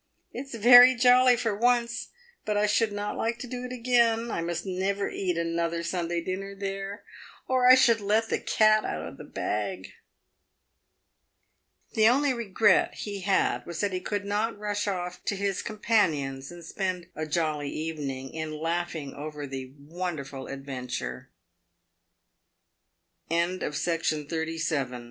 " It's very jolly for once, but I should not like to do it again. I must never eat another Sunday dinner there, or I should let the cat out of the bag." The only regret he had was that he could not rush oft* to his compa nions and spend a jolly evening in laughing over the wonderful ad ve